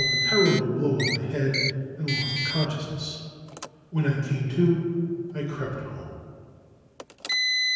a terrible blow on my head anddos. con sciousness. When I came to X crept home.